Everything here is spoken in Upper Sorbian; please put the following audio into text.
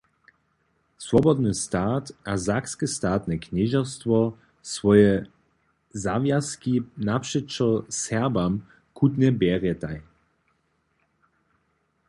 Swobodny stat a sakske statne knježerstwo swoje zawjazki napřećo Serbam chutnje bjerjetaj.